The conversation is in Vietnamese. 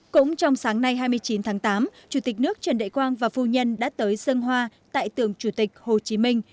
cũng trong sáng nay hai mươi chín tháng tám chủ tịch nước trần đại quang và phu nhân đã tới dân hoa tại tượng chủ tịch hồ chí minh